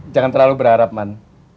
jangan terlalu berharap man